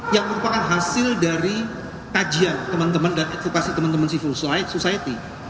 yang merupakan hasil dari kajian temen temen dan edukasi temen temen civil society